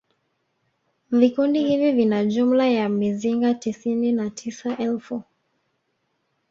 Vikundi hivi vina jumla ya mizinga tisini na tisa elfu